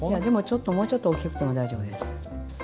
でもちょっともうちょっと大きくても大丈夫です。